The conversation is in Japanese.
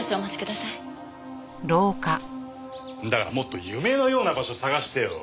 だからもっと夢のような場所探してよ。